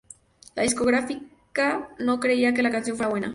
La discográfica no creía que la canción fuera buena.